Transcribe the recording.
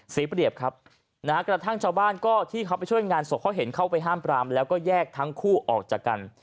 เสียเปรียบครับนะฮะกระทั่งชาวบ้านก็ที่เขาไปช่วยงานศพเขาเห็นเข้าไปห้ามปรามแล้วก็แยกทั้งคู่ออกจากกัน